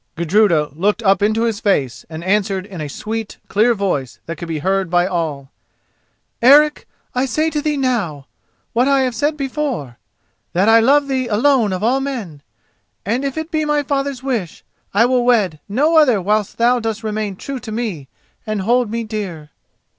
Gudruda looked up into his face, and answered in a sweet, clear voice that could be heard by all: "Eric, I say to thee now, what I have said before, that I love thee alone of all men, and, if it be my father's wish, I will wed no other whilst thou dost remain true to me and hold me dear."